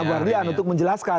bopardian untuk menjelaskan